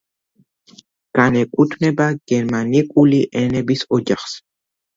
განეკუთვნება გერმანიკული ენების ოჯახს.